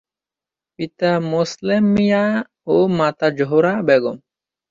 পিতা মোসলেম মিয়া ও মাতা জোহরা বেগম।